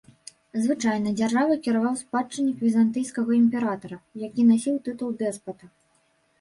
Звычайна дзяржавай кіраваў спадчыннік візантыйскага імператара, які насіў тытул дэспата.